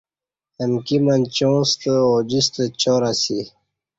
امکی منچاں ستہ اوجیستہ چار اسی